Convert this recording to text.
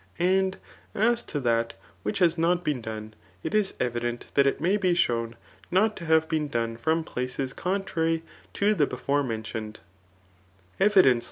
And as to that which has not been done, it is evident that it may be shown not to have been done froip places contrary to the before meq tiosied*. . Evidence